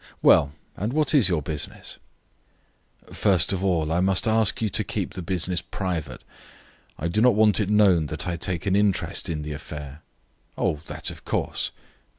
"Well, and what is your business?" "First of all, I must ask you to keep the business private. I do not want it known that I take an interest in the affair." "Oh, that of course.